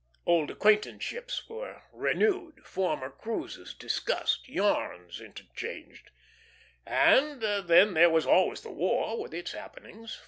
Old acquaintanceships were renewed, former cruises discussed, "yarns" interchanged; and then there was always the war with its happenings.